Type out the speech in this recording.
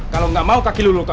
kalau gak mau kaki lu luka